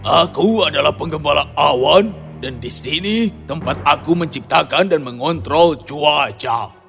aku adalah penggembala awan dan di sini tempat aku menciptakan dan mengontrol cuaca